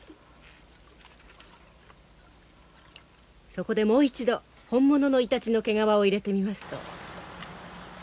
そこでもう一度本物のイタチの毛皮を入れてみますと。